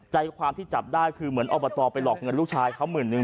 ใจความที่จับได้คือเหมือนอบตไปหลอกเงินลูกชายเขาหมื่นนึง